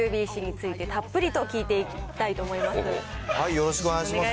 よろしくお願いします。